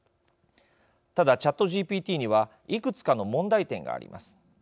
ただＣｈａｔＧＰＴにはいくつかの問題点があります。